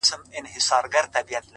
• که له مرګه ځان ژغورې کوهي ته راسه ,